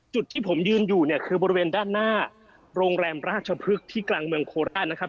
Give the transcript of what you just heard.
จุดที่ผมยืนอยู่เนี่ยคือบริเวณด้านหน้าโรงแรมราชพฤกษ์ที่กลางเมืองโคราชนะครับ